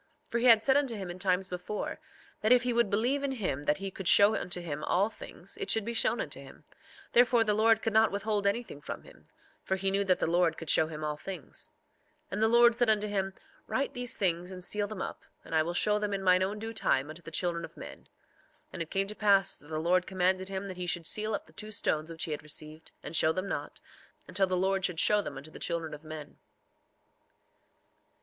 3:26 For he had said unto him in times before, that if he would believe in him that he could show unto him all things—it should be shown unto him; therefore the Lord could not withhold anything from him, for he knew that the Lord could show him all things. 3:27 And the Lord said unto him: Write these things and seal them up; and I will show them in mine own due time unto the children of men. 3:28 And it came to pass that the Lord commanded him that he should seal up the two stones which he had received, and show them not, until the Lord should show them unto the children of men.